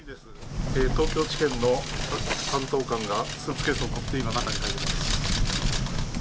東京地検の担当官がスーツケースを持って今、中に入ります。